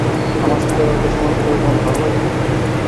আমার সাথে এভাবে সময় কাটাতে তোমার ভালো লাগে?